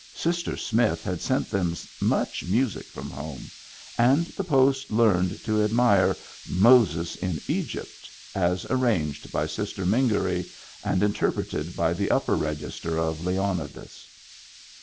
Sister Smith had sent them much music from home, and the post learned to admire "Moses in Eg3rpt" as arranged by Sister Mingory and interpreted by the upper register of Leonidas.